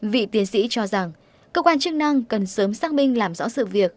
vị tiến sĩ cho rằng cơ quan chức năng cần sớm xác minh làm rõ sự việc